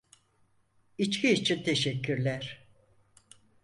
İçki için teşekkürler.